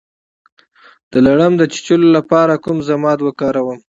د لړم د چیچلو لپاره کوم ضماد وکاروم؟